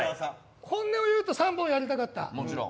本音を言うと３本やりたかった。